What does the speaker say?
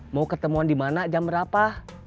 mau ketemuan dimana jam berapa